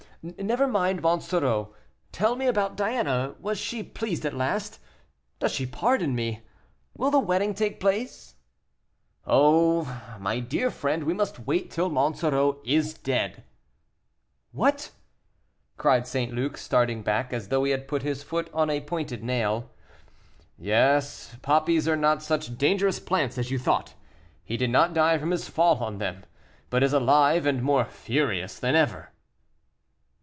"Never mind Monsoreau; tell me about Diana. Was she pleased at last? Does she pardon me? When will the wedding take place?" "Oh! my dear friend, we must wait till Monsoreau is dead." "What!" cried St. Luc, starting back as though he had put his foot on a pointed nail. "Yes; poppies are not such dangerous plants as you thought; he did not die from his fall on them, but is alive and more furious than ever."